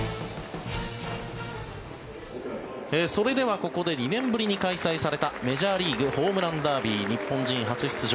それではここで２年ぶりに開催されたメジャーリーグホームランダービー日本人初出場